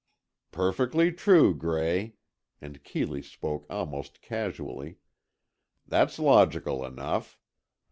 "Perfectly true, Gray," and Keeley spoke almost casually. "That's logical enough.